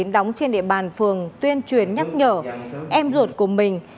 đóng trên địa bàn phường tuyên truyền nhắc nhở em ruột của mình